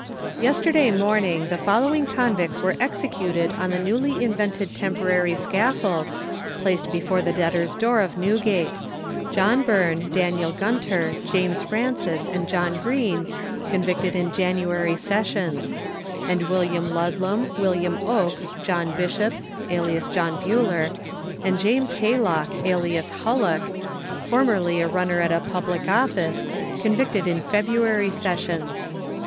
Yesterday morning the following convicts were executed on the newly invented temporary scaffold, placed before the debtors' door of Newgate: John Burn, Daniel Gunter, James Francis, and John Green, convicted in January sessions; and William Ludlam, William Oakes, John Bishop, alias John Buller, and James Haylock, alias Hullock, formerly a runner at a public office, convicted in February sessions.